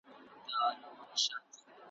اوس که زما منۍ را ټول یې کړی تخمونه,